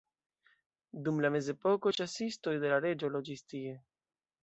Dum la mezepoko ĉasistoj de la reĝo loĝis tie.